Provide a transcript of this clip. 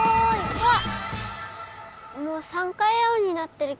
あっ。